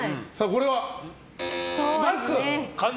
これは×。